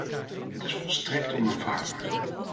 Het is volstrekt onaanvaardbaar.